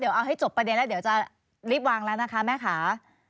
เดี๋ยวเอาให้จบประเด็นแล้วเดี๋ยวจะรีบวางแล้วนะคะแม่ค่ะ